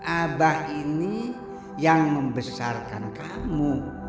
abah ini yang membesarkan kamu